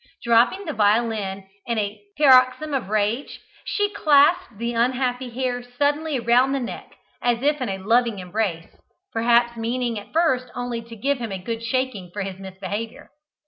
Dropping the violin in a paroxysm of rage, she clasped the unhappy hare suddenly round the neck, as if in a loving embrace, perhaps meaning at first only to give him a good shaking for his misbehaviour.